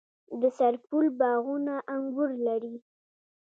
د سرپل باغونه انګور لري.